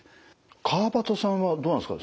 川畑さんはどうなんですか？